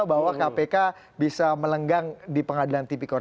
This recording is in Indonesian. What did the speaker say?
bahwa kpk bisa melenggang di pengadilan tipikor